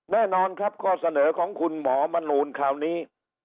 แน่นอนครับข้อเสนอของคุณหมอมนูลคราวนี้